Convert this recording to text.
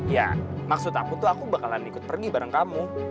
ya maksud aku tuh aku bakalan ikut pergi bareng kamu